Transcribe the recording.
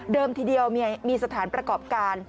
ทีเดียวมีสถานประกอบการ